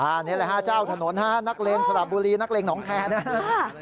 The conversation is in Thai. อันนี้แหละฮะเจ้าถนนฮะนักเลงสระบุรีนักเลงหนองแคร์นะครับ